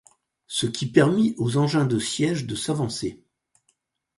Ce qui permit aux engins de sièges de s'avancer.